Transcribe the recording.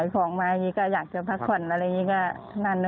ก็นั่นเลยครับ